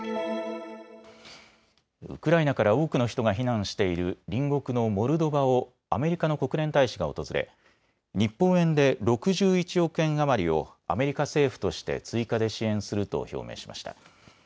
ウクライナから多くの人が避難している隣国のモルドバをアメリカの国連大使が訪れ日本円で６１億円余りをアメリカ政府として追加で支援すると表明しました。